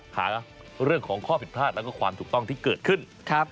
หาเรื่องของข้อผิดพลาดแล้วก็ความถูกต้องที่เกิดขึ้น